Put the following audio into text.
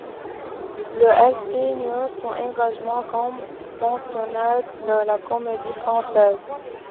Le elle signe son engagement comme pensionnaire de la Comédie-Française.